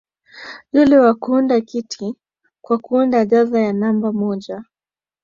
"Yule kwa kuunda kiti, kwa kuunda jahazi ni namba moja"